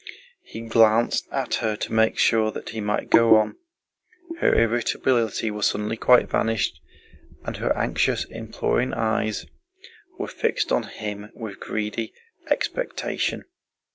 He glanced at her to make sure that he might go on. Her irritability had suddenly quite vanished, and her anxious, imploring eyes were fixed on him with greedy expectation.